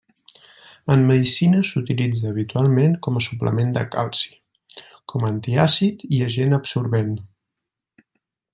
En medicina s'utilitza habitualment com a suplement de calci, com a antiàcid i agent absorbent.